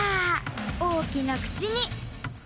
おおきなくちに。